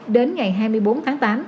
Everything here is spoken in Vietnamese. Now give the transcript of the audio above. đến ngày hai mươi bốn tháng tám